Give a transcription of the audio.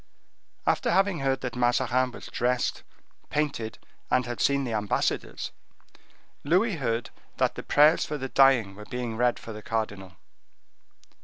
After having heard that Mazarin was dressed, painted, and had seen the ambassadors, Louis herd that the prayers for the dying were being read for the cardinal.